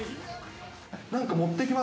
なんか持っていきます？